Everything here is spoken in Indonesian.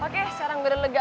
oke sekarang bener bener lega